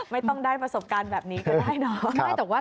ไม่ต้องได้ประสบการณ์แบบนี้ก็ได้เนาะ